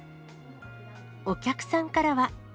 お客さんからは。